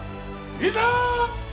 いざ！